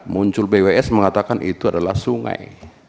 muncul bws mengatakan itu adalah sungai